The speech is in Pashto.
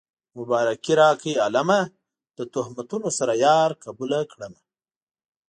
مبارکي راکړئ عالمه د تهمتونو سره يار قبوله کړمه